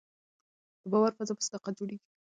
د باور فضا په صداقت جوړېږي